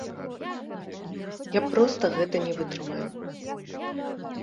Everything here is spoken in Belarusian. Я проста гэта не вытрымаю.